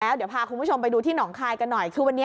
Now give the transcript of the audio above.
เดี๋ยวพาคุณผู้ชมไปดูที่หนองคายกันหน่อยคือวันนี้